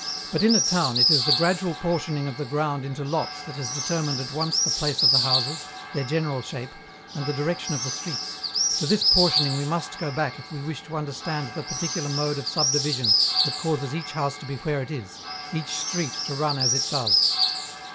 But, in a town, it is the gradual portioning of the ground into lots that has determined at once the place of the houses, their general shape, and the direction of the streets: to this portioning we must go back if we wish to understand the particular mode of subdivision that causes each house to be where it is, each street to run as it does.